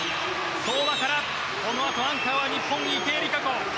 相馬からアンカーは日本、池江璃花子。